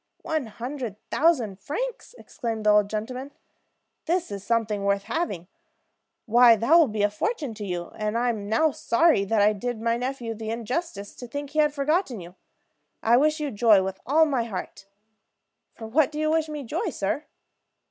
"One hundred thousand francs!" exclaimed the old gentleman. "That is something worth having. Why, that will be a fortune to you; and I am now sorry that I did my nephew the injustice to think he had forgotten you. I wish you joy with all my heart!" "For what do you wish me joy, sir?"